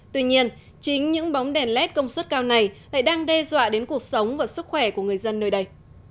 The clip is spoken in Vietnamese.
tuy nhiên chính những bóng đèn led công suất cao này lại đang đe dọa đến cuộc sống và sức khỏe của người dân nơi đây